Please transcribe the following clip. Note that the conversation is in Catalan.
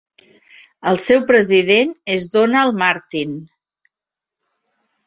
El seu president és Donald Martin.